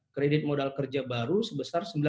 kredit modal kerja baru sebesar